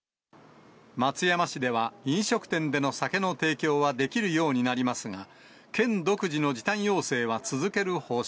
松山市では、飲食店での酒の提供はできるようになりますが、県独自の時短要請